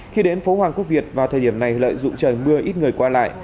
khi đến phố hoàng quốc việt vào thời điểm này lợi dụng trời mưa ít người qua lại